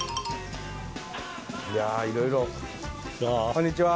こんにちは。